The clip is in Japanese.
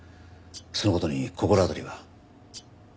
その事に心当たりは？